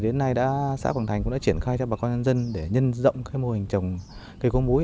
đến nay xã quảng thành cũng đã triển khai cho bà con dân để nhân rộng cái mô hình trồng cây có mũi